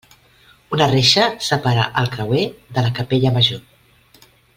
Una reixa separa el creuer de la capella major.